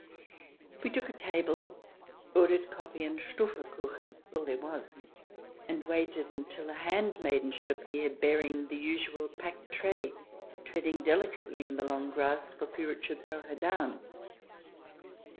We took a table, ordered coffee and Strufel Kuchen — all there was — and waited till a handmaiden should appear, bearing the usual packed tray, tread ing delicately in the long grass, for fear it should throw her down.